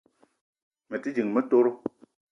Me te ding motoro